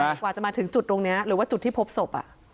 กว่าจะมาถึงจุดตรงนี้หรือว่าจุดที่พบศพ